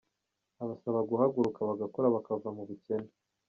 Abasaba guhaguruka bagakora bakava mu bukene.